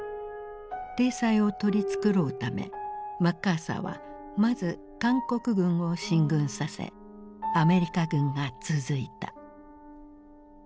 体裁を取り繕うためマッカーサーはまず韓国軍を進軍させアメリカ軍が続いた。